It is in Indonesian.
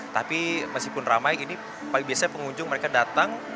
tapi meskipun ramai ini biasanya pengunjung mereka datang